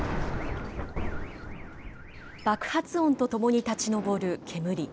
爆発音とともに立ち上る煙。